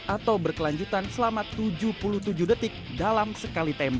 atau berkelanjutan selama tujuh puluh tujuh detik dalam sekali tempe